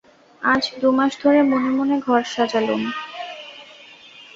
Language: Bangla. আজ দু মাস ধরে মনে মনে ঘর সাজালুম।